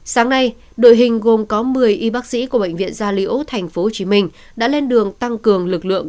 sáng nay đội hình gồm có một mươi y bác sĩ của bệnh viện gia liễu tp hcm đã lên đường tăng cường lực lượng